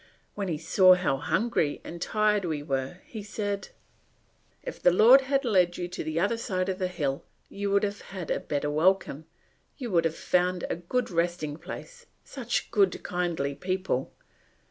When he saw how hungry and tired we were he said, "If the Lord had led you to the other side of the hill you would have had a better welcome, you would have found a good resting place, such good, kindly people!